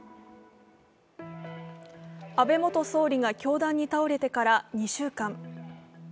安倍元総理が凶弾に倒れてから２週間。